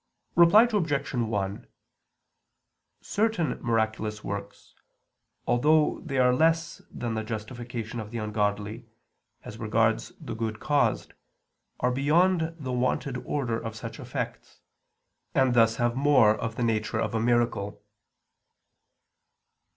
Reply Obj. 1: Certain miraculous works, although they are less than the justification of the ungodly, as regards the good caused, are beyond the wonted order of such effects, and thus have more of the nature of a miracle.